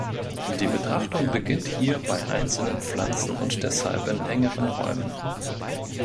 Die Betrachtung beginnt hier bei einzelnen Pflanzen und deshalb in engeren Räumen.